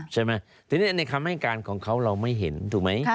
ใช่ไหมทีนี้ในคำให้การของเขาเราไม่เห็นถูกไหม